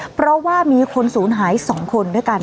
เพราะว่ามีคนศูนย์หาย๒คนด้วยกัน